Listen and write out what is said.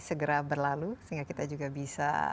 segera berlalu sehingga kita juga bisa